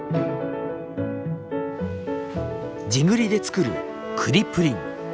地栗で作る栗プリン。